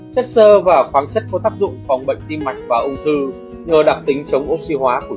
chất sơ và khoáng chất có tác dụng phòng bệnh tim mạch và ung thư nhờ đặc tính chống oxy hóa của